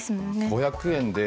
５００円で。